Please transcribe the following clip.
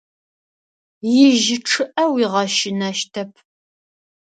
Ижьы чъыӏэ уигъэщынэщтэп.